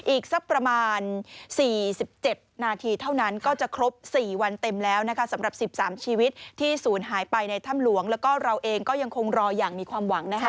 อีกสักประมาณ๔๗นาทีเท่านั้นก็จะครบ๔วันเต็มแล้วนะคะสำหรับ๑๓ชีวิตที่ศูนย์หายไปในถ้ำหลวงแล้วก็เราเองก็ยังคงรออย่างมีความหวังนะคะ